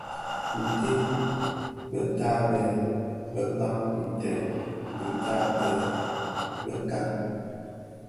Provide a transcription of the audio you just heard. Ntèd bè tabèè bëkpaň nted dhi tabèè bëkan.